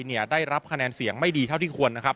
เนี่ยได้รับคะแนนเสียงไม่ดีเท่าที่ควรนะครับ